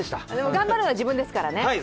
頑張るのは自分ですからね。